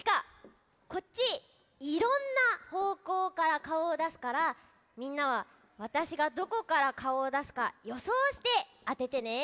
いろんなほうこうからかおをだすからみんなはわたしがどこからかおをだすかよそうしてあててね。